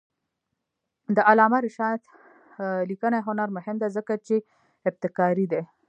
د علامه رشاد لیکنی هنر مهم دی ځکه چې ابتکاري دی.